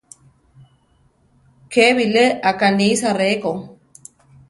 Ké bilé akánisa ré ko.